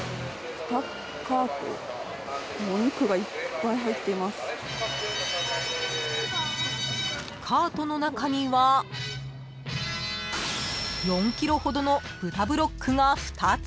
［さらに］［カートの中には４ｋｇほどの豚ブロックが２つ］